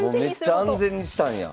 めっちゃ安全にしたんや。